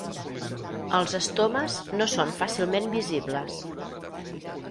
Els estomes no són fàcilment visibles.